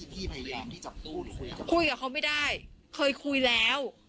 พูดกับเขาก็ไม่ได้เคยพูดแล้ว